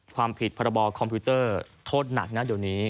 ความผิดพรบคอมพิวเตอร์โทษหนักนะเดี๋ยวนี้